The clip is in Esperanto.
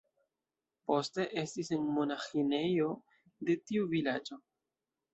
Poste estis en monaĥinejo de tiu vilaĝo.